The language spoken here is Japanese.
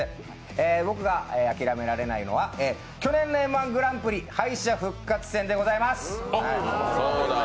僕があきらめられないのは去年の「Ｍ−１グランプリ」敗者復活戦でございます。